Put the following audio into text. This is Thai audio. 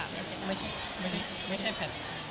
อันนี้คือ